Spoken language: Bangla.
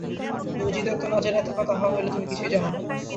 তুমি যদি এই তত্ত্ব না জানিয়া থাক, তাহা হইলে তুমি কিছুই জান নাই।